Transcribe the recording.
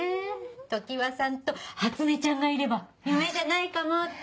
常葉さんと初音ちゃんがいれば夢じゃないかもって。